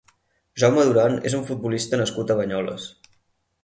Jaume Duran és un futbolista nascut a Banyoles.